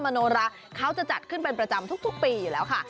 โนราเขาจะจัดขึ้นเป็นประจำทุกปีอยู่แล้วค่ะ